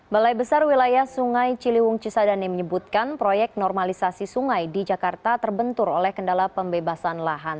balai besar wilayah sungai ciliwung cisadane menyebutkan proyek normalisasi sungai di jakarta terbentur oleh kendala pembebasan lahan